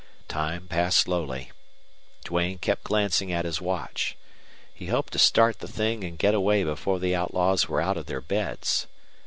Time passed slowly. Duane kept glancing at his watch. He hoped to start the thing and get away before the outlaws were out of their beds.